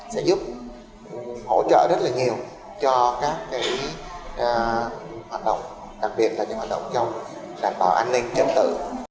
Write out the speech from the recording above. sẽ giúp hỗ trợ rất là nhiều cho các hoạt động đặc biệt là những hoạt động trong đảm bảo an ninh trật tự